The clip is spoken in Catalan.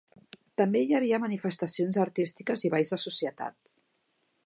També hi havia manifestacions artístiques i balls de societat.